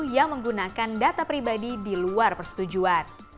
yang menggunakan data pribadi di luar persetujuan